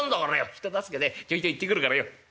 人助けでちょいと行ってくるからよ。